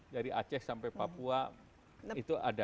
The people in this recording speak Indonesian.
dari aceh sampai papua itu ada